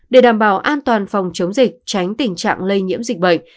để đảm bảo an toàn phòng chống dịch tránh tình trạng lây nhiễm dịch bệnh